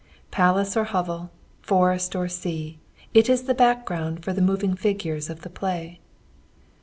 Palace or hovel, forest or sea, it is the background for the moving figures of the play.